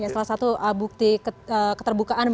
salah satu bukti keterbukaan